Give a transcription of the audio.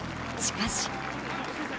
しかし。